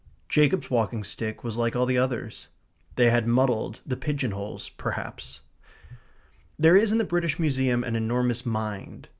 Jacob's walking stick was like all the others; they had muddled the pigeon holes perhaps. There is in the British Museum an enormous mind.